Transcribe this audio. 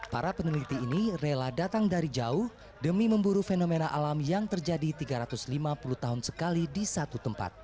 para peneliti ini rela datang dari jauh demi memburu fenomena alam yang terjadi tiga ratus lima puluh tahun sekali di satu tempat